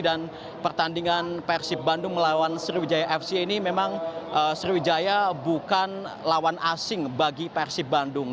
dan pertandingan persib bandung melawan sriwijaya fc ini memang sriwijaya bukan lawan asing bagi persib bandung